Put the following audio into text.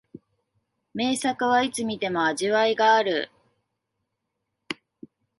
名作はいつ観ても味わいがある